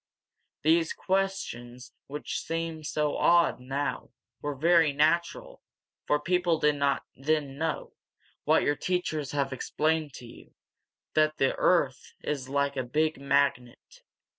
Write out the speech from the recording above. These questions, which seem so odd now, were very natural, for people did not then know, what your teachers have explained to you, that the earth is like a big magnet.